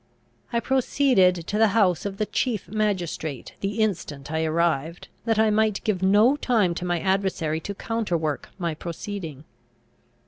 I proceeded to the house of the chief magistrate the instant I arrived, that I might give no time to my adversary to counterwork my proceeding.